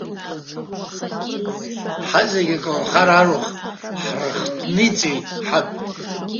Ҳазегьы аколнхара арахә ҳрыхҭниҵеит ҳаб.